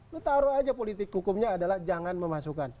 lu taro aja politik hukumnya adalah jangan memasukan